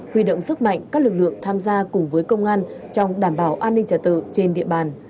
huy động sức mạnh các lực lượng tham gia cùng với công an trong đảm bảo an ninh trả tự trên địa bàn